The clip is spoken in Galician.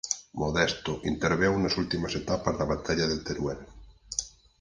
Modesto interveu nas últimas etapas da batalla de Teruel.